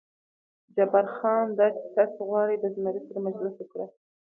جبار خان: دا چې تاسې غواړئ د زمري سره مجلس وکړئ.